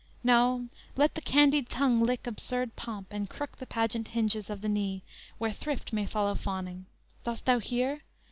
No, let the candied tongue lick absurd pomp, And crook the pregnant hinges of the knee Where thrift may follow fawning. Dost thou hear?